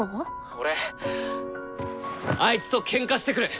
俺あいつとケンカしてくる。